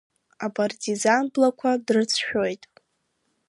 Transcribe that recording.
Апартизан блақәа дрыцәшәоит.